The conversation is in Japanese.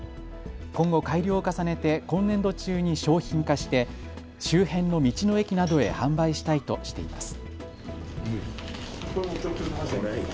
今後、改良を重ねて今年度中に商品化して周辺の道の駅などへ販売したいとしています。